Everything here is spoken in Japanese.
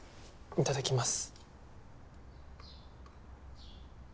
いただきます。